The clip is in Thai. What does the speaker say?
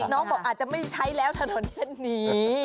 น้องบอกอาจจะไม่ใช้แล้วถนนเส้นนี้